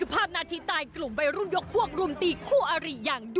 โปรดติดตามตอนต่อไป